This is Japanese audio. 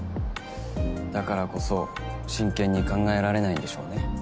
だからこそ真剣に考えられないんでしょうね。